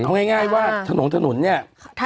เอาง่ายว่าถนนเนี่ย